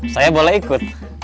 saya boleh ikut